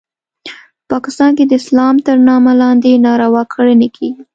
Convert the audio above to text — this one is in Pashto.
په پاکستان کې د اسلام تر نامه لاندې ناروا کړنې کیږي